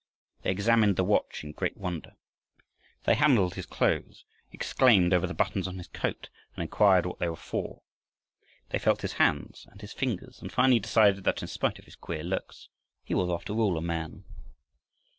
They examined the watch in great wonder. They handled his clothes, exclaimed over the buttons on his coat, and inquired what they were for. They felt his hands and his fingers, and finally decided that, in spite of his queer looks, he was after all a man.